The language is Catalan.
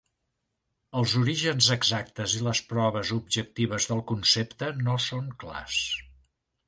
Els orígens exactes i les proves objectives del concepte no són clars.